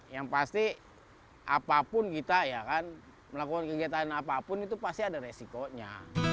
yang pasti apapun kita ya kan melakukan kegiatan apapun itu pasti ada resikonya